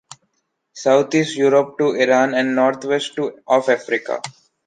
Southeast Europe to Iran and Northwest of Africa.